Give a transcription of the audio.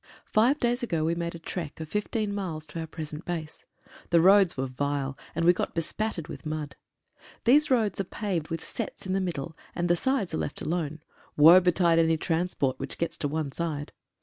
Five days ago we made a trek of 15 miles to our present base. The roads were vile, and we got bespat tered with mud. These roads are paved with setts in the middle and the sides are left alone — woe betide any transport which gets to one side.